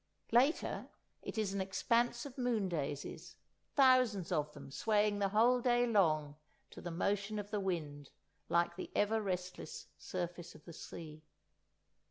Later, it is an expanse of moon daisies—thousands of them swaying the whole day long to the motion of the wind like the ever restless surface of the sea.